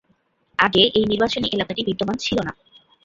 আগে এই নির্বাচনী এলাকাটি বিদ্যমান ছিল না।